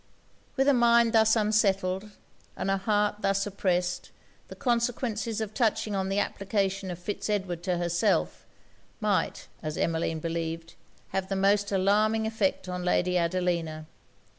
With a mind thus unsettled, and a heart thus oppressed, the consequences of touching on the application of Fitz Edward to herself, might, as Emmeline believed, have the most alarming effect on Lady Adelina.